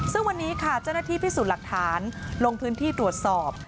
ซึ่งวันนี้ค่ะเจ้าหน้าที่พิสูจน์หลักฐานลงพื้นที่ตรวจสอบ